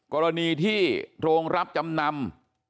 กรณีที่โรงรับจำนำ